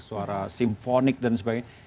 suara symphonic dan sebagainya